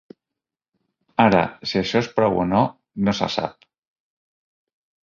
Ara, si això és prou o no, no se sap.